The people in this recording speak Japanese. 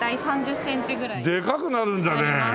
でかくなるんだね。